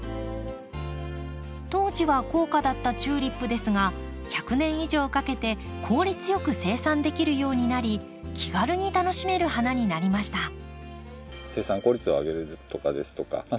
当時は高価だったチューリップですが１００年以上かけて効率よく生産できるようになり気軽に楽しめる花になりました。